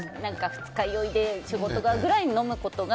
二日酔いで仕事がぐらい飲むことが。